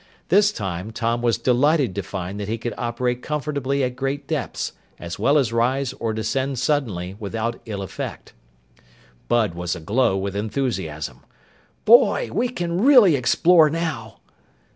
This time, Tom was delighted to find that he could operate comfortably at great depths, as well as rise or descend suddenly without ill effect. Bud was aglow with enthusiasm. "Boy, we can really explore now!"